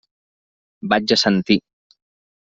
Vaig assentir.